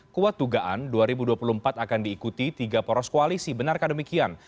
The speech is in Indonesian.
kuat dugaan dua ribu dua puluh empat akan diikuti tiga poros koalisi benarkah demikian